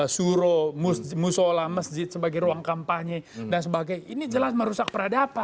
suro musola masjid sebagai ruang kampanye dan sebagainya ini jelas merusak peradaban